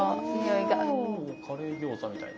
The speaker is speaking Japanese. カレー餃子みたいな。